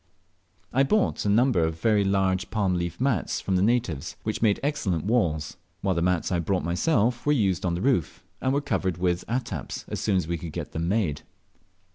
I bought a number of very large palm leaf mats of the natives, which made excellent walls; while the mats I had brought myself were used on the roof, and were covered over with attaps as soon as we could get them made.